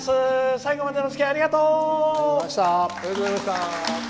最後までのおつきあいありがとう！